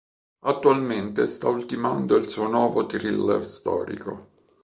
Attualmente sta ultimando il suo nuovo thriller storico.